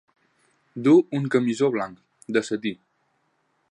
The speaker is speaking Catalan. Du un camisó blanc, de setí.